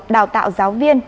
đào tạo giáo viên